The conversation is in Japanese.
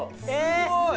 すごい。